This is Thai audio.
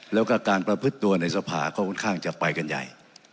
แล้วก็การประพฤติตัวในสภาก็ค่อนข้างจะไปกันใหญ่